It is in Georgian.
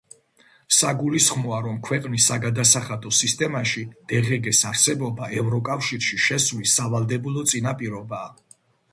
საგულისხმოა, რომ ქვეყნის საგადასახადო სისტემაში დღგ-ს არსებობა ევროკავშირში შესვლის სავალდებულო წინაპირობაა.